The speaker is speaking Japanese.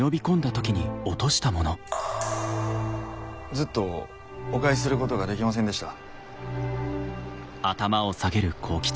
ずっとお返しすることができませんでした。